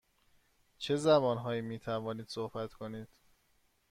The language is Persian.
چه زبان هایی می توانید صحبت کنید؟